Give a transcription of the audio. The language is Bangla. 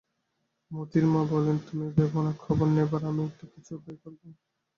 মোতির মা বললে, তুমি ভেবো না, খবর নেবার আমি একটা-কিছু উপায় করব।